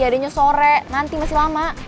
adanya sore nanti masih lama